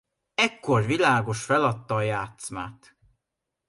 Ekkor világos feladta a játszmát.